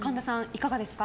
いかがですか？